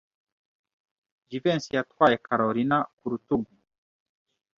Jivency yatwaye Kalorina ku rutugu.